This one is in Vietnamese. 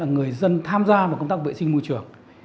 người dân tham gia vào công tác vệ sinh môi trường